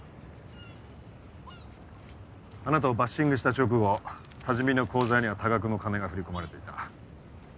あなたをバッシングした直後多治見の口座には多額の金が振り込まれていた。